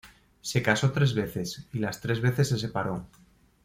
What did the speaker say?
Se casó tres veces y las tres veces se separó.